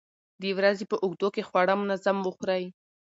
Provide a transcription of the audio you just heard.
د ورځې په اوږدو کې خواړه منظم وخورئ.